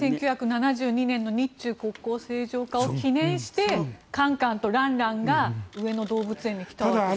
１９７２年の日中国交正常化を記念してカンカンとランランが上野動物園に来たと。